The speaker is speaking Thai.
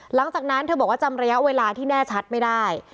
หลังจากนั้นเธอบอกว่าจำระยะเวลาที่แน่ชัดไม่ได้